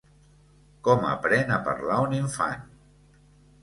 Com aprèn a parlar un infant?